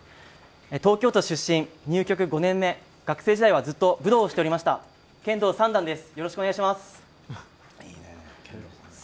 東京都出身、入局９年目学生時代は武道をしておりました剣道３段です。